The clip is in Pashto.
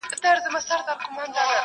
خو نارې سوې چي بم ټوله ورځ ویده وي؛